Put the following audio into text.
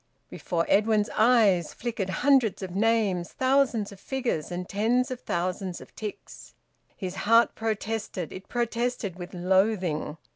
Before Edwin's eyes flickered hundreds of names, thousands of figures, and tens of thousands of ticks. His heart protested; it protested with loathing.